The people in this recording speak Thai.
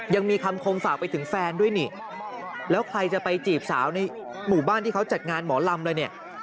ยังมีคำคมฝากไปถึงแฟนด้วยนี่แล้วใครจะไปจีบสาวในหมู่บ้านที่เขาจัดงานหมอลำเลยเนี่ย